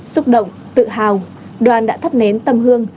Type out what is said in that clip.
xúc động tự hào đoàn đã thắp nến tâm hương